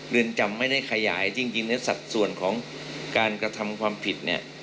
เรือนจำไม่ได้ขยายจริงในสัดส่วนของการกระทำความผิดเนี่ย